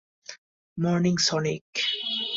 Morning, Sonic!